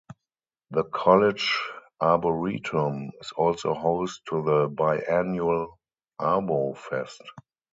The College Arboretum is also host to the biannual Arbo-Fest.